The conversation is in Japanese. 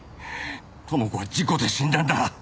知子は事故で死んだんだ。